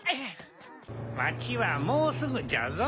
まちはもうすぐじゃぞ。